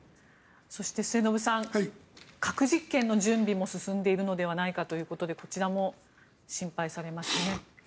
末延さん、核実験の準備も進んでいるのではないかということでこちらも心配されますね。